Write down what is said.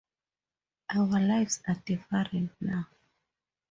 Our lives are different now.